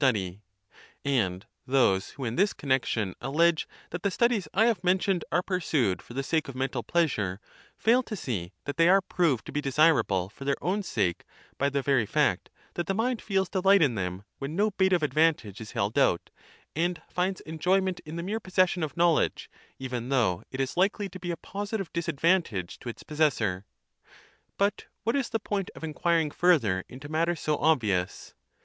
six those who in this connexion allege that the studies I have mentioned are pursued for the sake of mental pleasure fall to see that tbey are proved to be desirable for their own sake by the very fact that the mind feels delight in them when no bait of advantage is held out, and tinds enjoyment in the mere possession of knowledge even though it is likely to be a positive disadvantage to its possessor, 1 But what is the point of inquiring further into matters so obvious